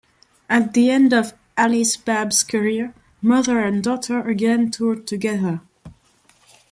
At the end of Alice Babs' career, mother and daughter again toured together.